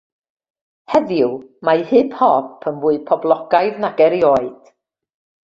Heddiw, mae hip hop yn fwy poblogaidd nag erioed.